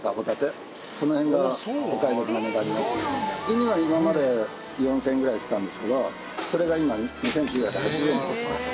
うには今まで４０００円ぐらいしてたんですけどそれが今２９８０円で出てます。